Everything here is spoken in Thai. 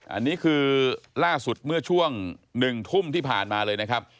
อันนี้คือล่าสุดเมื่อช่วง๑ทุ่มที่ผ่านมาเลยนะครับ